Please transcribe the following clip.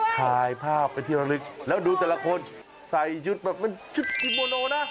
ถ่ายภาพเป็นที่ระลึกแล้วดูแต่ละคนใส่ชุดแบบเป็นชุดกิโมโนนะ